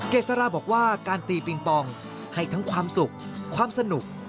เกษราบอกว่าการตีปิงปองให้ทั้งความสุขความสนุก